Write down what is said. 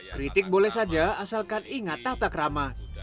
kritik boleh saja asalkan ingat tatakrama